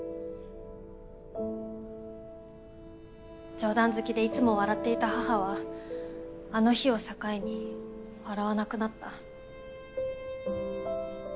冗談好きでいつも笑っていた母はあの日を境に笑わなくなった。